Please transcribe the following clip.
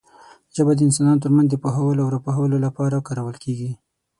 ژبه د انسانانو ترمنځ د پوهولو او راپوهولو لپاره کارول کېږي.